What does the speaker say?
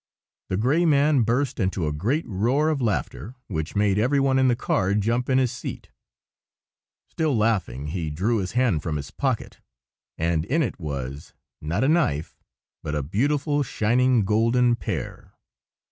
The gray man burst into a great roar of laughter, which made every one in the car jump in his seat. Still laughing, he drew his hand from his pocket, and in it was—not a knife, but a beautiful, shining, golden pear.